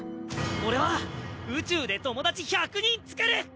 俺は宇宙で友達１００人つくる！